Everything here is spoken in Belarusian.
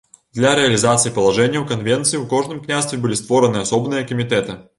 Для рэалізацыі палажэнняў канвенцыі ў кожным княстве былі створаны асобныя камітэты.